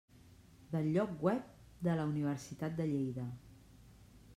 Del lloc web de la Universitat de Lleida.